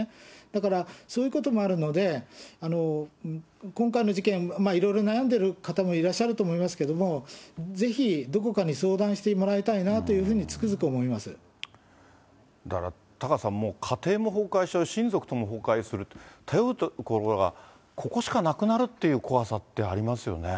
だから、そういうこともあるので、今回の事件、いろいろ悩んでる方もいらっしゃると思いますけれども、ぜひどこかに相談してもらいたいなというふうに、つくづく思いまだからタカさん、家庭も崩壊しちゃう、親族とも崩壊する、頼るところがここしかなくなるっていう怖さってありますよね。